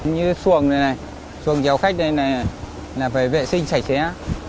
như xuồng này này xuồng chèo khách này này là phải vệ sinh sạch sẽ